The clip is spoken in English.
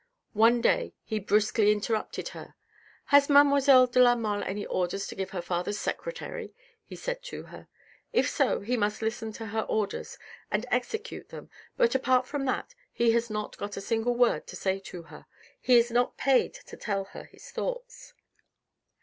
One day he brusquely interrupted her. " Has mademoiselle de la Mole any orders to give her father's secretary ?" he said to her. " If so he must listen to her orders, and execute them, but apart from that he has not a single word to say to her. He is not paid to tell her his thoughts."